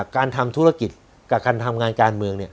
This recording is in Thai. การทำธุรกิจกับการทำงานการเมือง